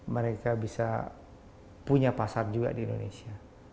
mereka bisa punya pasar juga di indonesia